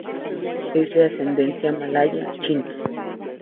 Es de ascendencia malaya-china.